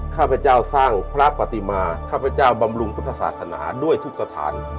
ข้าพเจ้าสร้างพระปฏิมาข้าพเจ้าบำรุงพุทธศาสนาด้วยทุกสถาน